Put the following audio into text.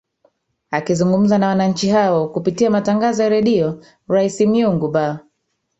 akizungumza na wananchi hao kupitia matangazo ya redio rais myungu bar